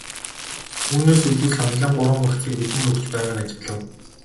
Үүнээс үзвэл саналын гурван багцыг бидэнд өгч байгааг ажиглав.